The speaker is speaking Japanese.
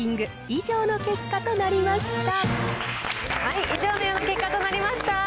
以上のような結果となりました。